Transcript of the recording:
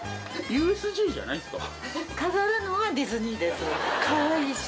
ＵＳＪじゃないんすか？